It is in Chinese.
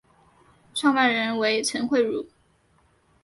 创办人为陈惠如。